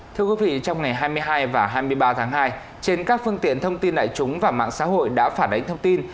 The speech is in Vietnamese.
thưa quý vị trong ngày hai mươi hai và hai mươi ba tháng hai trên các phương tiện thông tin đại chúng và mạng xã hội đã phản ánh thông tin